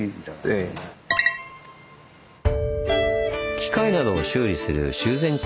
機械などを修理する修繕工場。